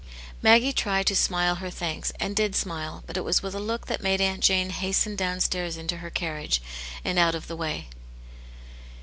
Maggie tried to smile her thanks, and did smile^ but it was with a look that made Aunt Jane hasten downstairs into her carriage, and out of the way.